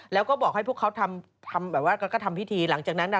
แล้วก็บอกให้พวกเขาทำ